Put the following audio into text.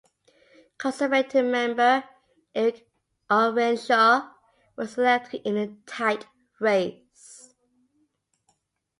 Conservative member Eric Ollerenshaw was elected in a tight race.